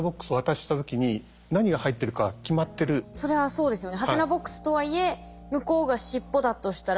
でもそれはそうですよね。